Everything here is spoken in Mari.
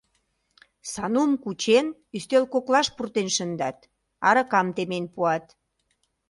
Санум кучен, ӱстел коклаш пуртен шындат, аракам темен пуат.